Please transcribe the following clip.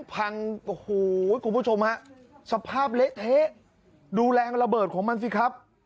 พังโอ้โหคุณผู้ชมฮะสภาพเละเทะดูแรงระเบิดของมันสิครับ